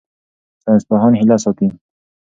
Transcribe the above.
ساینسپوهان هیله ساتي.